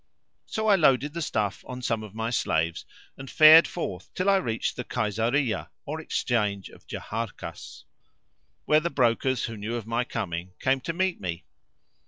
So I loaded the stuff on some of my slaves and fared forth till I reached the Kaysariyah or Exchange of Jaharkas;[FN#519] where the brokers who knew of my coming came to meet me.